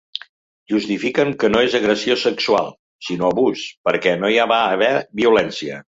Justifiquen que no és agressió sexual, sinó abús, perquè no hi va haver violència.